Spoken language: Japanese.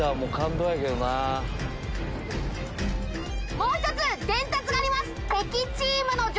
もう１つ伝達があります！